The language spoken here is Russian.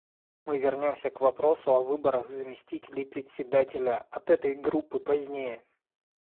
Мы вернемся к вопросу о выборах заместителей Председателя от этой Группы позднее.